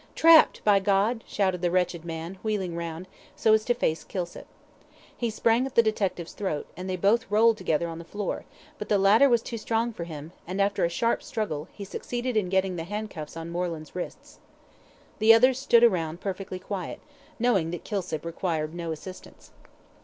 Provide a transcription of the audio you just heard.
"Trapped by G !" shouted the wretched man, wheeling round, so as to face Kilsip. He sprang at the detective's throat, and they both rolled together on the floor, but the latter was too strong for him, and, after a sharp struggle, he succeeded in getting the handcuffs on Moreland's wrists. The others stood around perfectly quiet, knowing that Kilsip required no assistance.